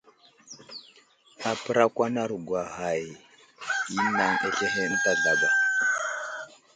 Apərakwanarogwa ghay i anaŋ azlehe ənta zlaba.